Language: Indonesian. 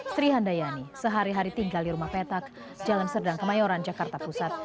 sri handayani sehari hari tinggal di rumah petak jalan serdang kemayoran jakarta pusat